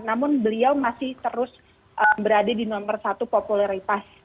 namun beliau masih terus berada di nomor satu popularitas